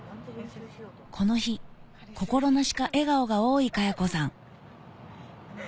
この日心なしか笑顔が多いかや子さん